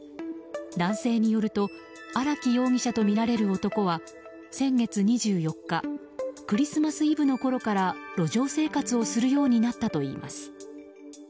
男性によると荒木容疑者とみられる男は先月２４日クリスマスイブのころから路上生活をするようになったといいます。